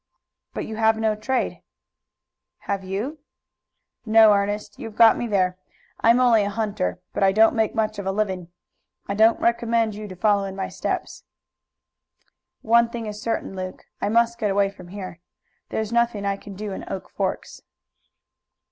"But you have no trade." "Have you?" "No, Ernest. You've got me there. I am only a hunter, but I don't make much of a living. I don't recommend you to follow in my steps." "One thing is certain, Luke. I must get away from here. There is nothing I can do in Oak Forks."